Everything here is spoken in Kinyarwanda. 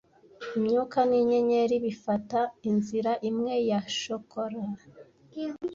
Imyuka ninyenyeri bifata inzira imwe ya chorale;